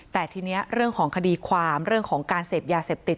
แต่ทีนี้เรื่องของคดีความเรื่องของการเสพยาเสพติด